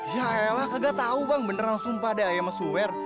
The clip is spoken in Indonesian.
ya ella gak tau bang beneran sumpah deh ayo mah swear